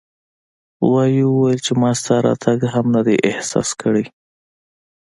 غوایي وویل چې ما ستا راتګ هم نه دی احساس کړی.